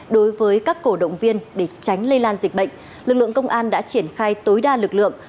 đối với các cổ động viên để tránh lây lan dịch bệnh lực lượng công an đã triển khai tối đa lực lượng